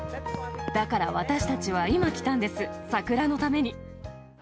だから私たちは今来たんです、桜のために。